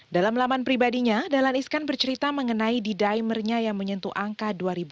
dalam laman pribadinya dahlan iskan bercerita mengenai d dimernya yang menyentuh angka dua ribu enam belas